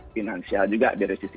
finansial juga di resisi